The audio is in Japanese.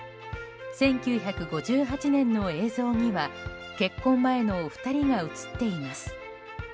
１９５８年の映像には結婚前のお二人が映っています。